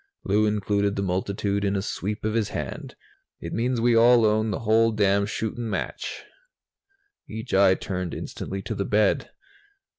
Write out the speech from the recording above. Lou included the multitude in a sweep of his hand. "It means we all own the whole damn shootin' match." Each eye turned instantly to the bed.